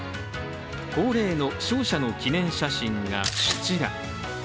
恒例の勝者の記念写真がこちら。